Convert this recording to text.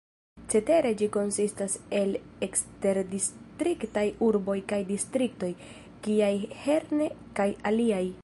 Cetere ĝi konsistas el eksterdistriktaj urboj kaj distriktoj, kiaj Herne kaj aliaj.